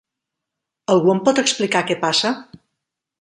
Algú em pot explicar què passa?